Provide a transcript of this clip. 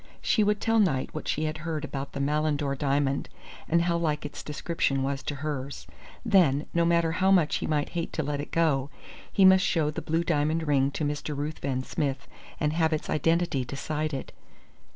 She would tell Knight what she had heard about the Malindore diamond, and how like its description was to hers. Then, no matter how much he might hate to let it go, he must show the blue diamond ring to Mr. Ruthven Smith and have its identity decided.